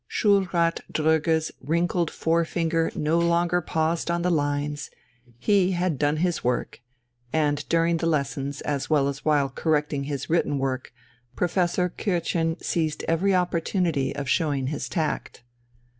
Schulrat Dröge's wrinkled fore finger no longer paused on the lines, he had done his work; and during the lessons as well as while correcting his written work Professor Kürtchen seized every opportunity of showing his tact.